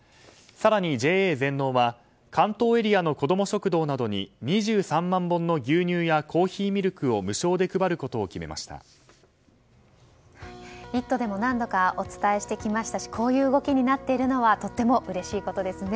更にＪＡ全農は関東エリアのこども食堂などに２３万本の牛乳やコーヒーミルクを「イット！」でも何度かお伝えしてきましたしこういう動きになっているのはとってもうれしいことですね。